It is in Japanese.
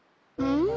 うん！